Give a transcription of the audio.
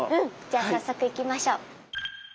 じゃあ早速行きましょう。